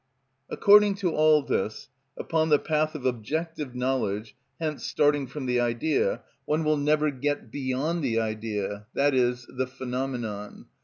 According to all this, upon the path of objective knowledge, hence starting from the idea, one will never get beyond the idea, i.e., the phenomenon.